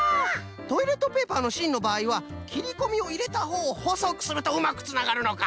トイレットペーパーのしんのばあいはきりこみをいれたほうをほそくするとうまくつながるのか。